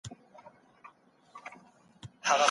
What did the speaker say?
تر څو چي د خپلي ارادې مطابق غسل کوي.